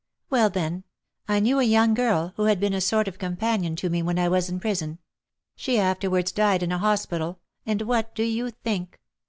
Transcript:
"Well, then, I knew a young girl, who had been a sort of companion to me when I was in prison; she afterwards died in a hospital, and what do you think?